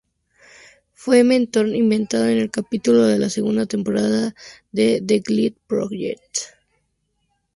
Fue mentor invitado en un capítulo de la segunda temporada de The Glee Project.